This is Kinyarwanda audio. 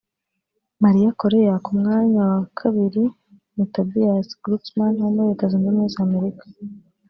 Maria Correa; ku mwanya wa kabiri ni Tobias Glucksman wo muri Leta Zunze Ubumwe za Amerika